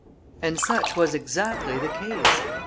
And such was exactly the case.